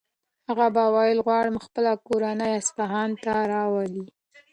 هغه به ویل چې غواړي خپله کورنۍ اصفهان ته راولي.